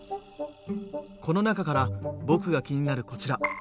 この中から僕が気になるこちら。